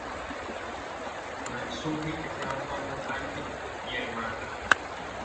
Natsuki es gran fan del anime y el manga.